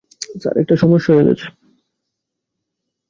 Sir, একটা সমস্যা হয়ে গেছে।